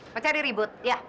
mau cari ribut ya